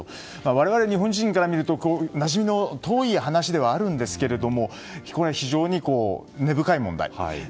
我々日本人から見るとなじみの遠い話ではあるんですが非常に根深い問題。